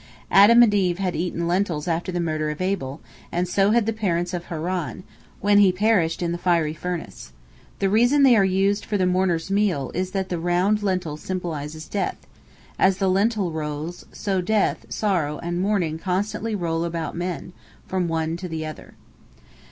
Adam and Eve had eaten lentils after the murder of Abel, and so had the parents of Haran, when he perished in the fiery furnace. The reason they are used for the mourner's meal is that the round lentil symbolizes death: as the lentil rolls, so death, sorrow, and mourning constantly roll about among men, from one to the other.